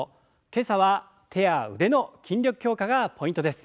今朝は手や腕の筋力強化がポイントです。